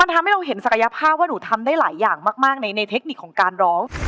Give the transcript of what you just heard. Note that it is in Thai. ทำให้เราเห็นศักยภาพว่าหนูทำได้หลายอย่างมากในเทคนิคของการร้อง